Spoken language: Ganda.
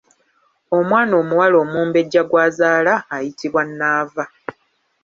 Omwana omuwala omumbejja gw’azaala ayitibwa Nnaava.